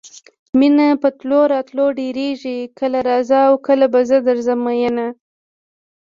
مینه په تلو راتلو ډېرېږي کله راځه او کله به زه درځم میینه.